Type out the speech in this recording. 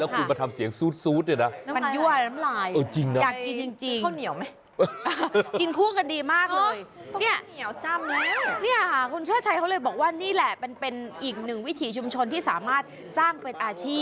คุณน้ำลายไหล่ทำไม